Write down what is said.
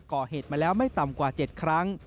ก่อเหตุมาแล้วไม่ต่ำกว่า๗ครั้ง